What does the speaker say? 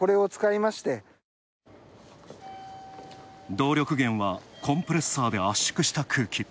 動力源はコンプレッサーで圧縮した空気。